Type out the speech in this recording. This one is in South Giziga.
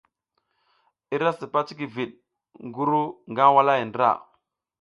I ra sipas cikivid ngi ru nag walahay ndra.